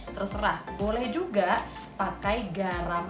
terserah boleh juga pakai garam